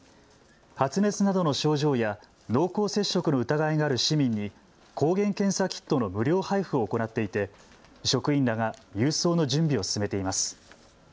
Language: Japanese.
発熱などの症状や濃厚接触の疑いがある市民に抗原検査キットの無料配布を行っていて職員らが郵送の準備を進めています。